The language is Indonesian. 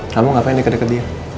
kamu ngapain deket deket dia